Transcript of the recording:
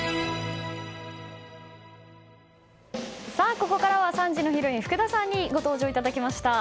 ここからは３時のヒロイン福田さんにご登場いただきました。